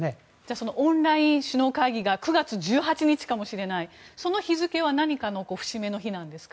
そのオンライン首脳会談が９月１８日かもしれないその日付は何かの節目の日なんですか？